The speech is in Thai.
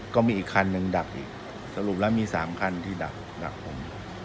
ก็มีอีกคันหนึ่งดักอีกสรุปแล้วมี๓คันที่ดักผม